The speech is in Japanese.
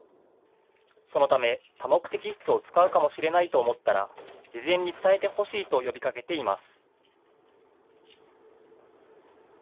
そのため、多目的室を使うかもしれないと思ったら、事前に伝えてほしいと呼びかけています。